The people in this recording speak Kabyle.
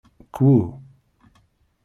Kwu.